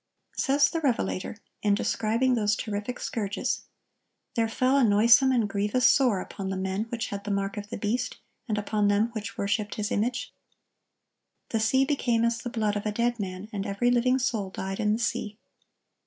Says the revelator, in describing those terrific scourges: "There fell a noisome and grievous sore upon the men which had the mark of the beast, and upon them which worshiped his image." The sea "became as the blood of a dead man: and every living soul died in the sea."